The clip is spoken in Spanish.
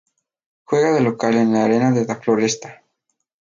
Juega de local en el Arena da Floresta.